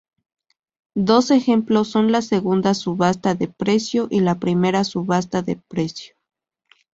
Dos ejemplos son la segunda subasta de precio y la primera subasta de precio.